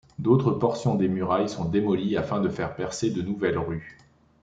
D'autres portions des murailles sont démolies afin de faire percer de nouvelles rues.